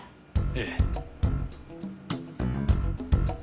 ええ。